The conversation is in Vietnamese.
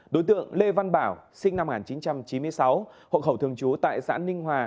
đối tượng lê văn bảo sinh năm một nghìn chín trăm chín mươi sáu hộ khẩu thường trú tại xã ninh hòa